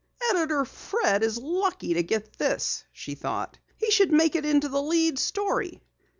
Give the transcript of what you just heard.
"Editor Fred is lucky to get this," she thought. "He should make it the lead story."